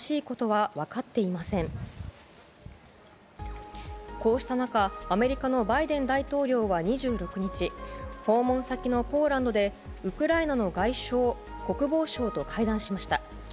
こうした中、アメリカのバイデン大統領は２６日訪問先のポーランドでウクライナの外相、国防相と会談しました。